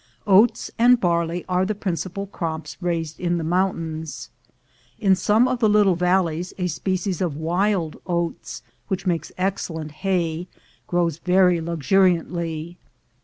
Oats and barley are the principal crops raised in the mountains. In some of the little valleys a species of wild oats, which makes excellent hay, grows very luxuriantly.